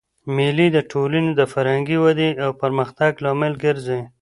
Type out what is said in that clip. مېلې د ټولني د فرهنګي ودئ او پرمختګ لامل ګرځي.